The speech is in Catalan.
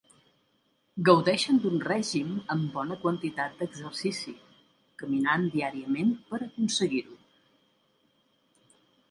Gaudeixen d'un règim amb bona quantitat d'exercici, caminant diàriament per aconseguir-ho.